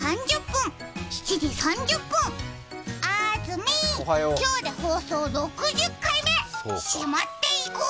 ７時３０分、７時３０分、あーずみ、今日で放送６０回目、締まっていこう！